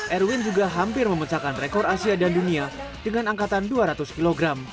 erwin juga hampir memecahkan rekor asia dan dunia dengan angkatan dua ratus kg